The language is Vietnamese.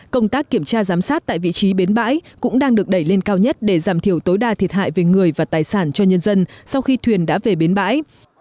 công tác kiểm tra giám sát tại vị trí bến bãi cũng đang được đẩy lên cao nhất để giảm thiểu tối đa thiệt hại về người và tài sản cho nhân dân sau khi thuyền đã về bến bãi